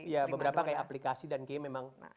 ya beberapa kayak aplikasi dan game memang